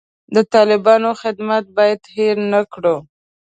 د طالبانو خدمت باید هیر نه کړو.